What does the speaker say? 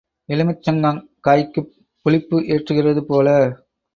எலுமிச்சங் காய்க்குப் புளிப்பு ஏற்றுகிறது போல.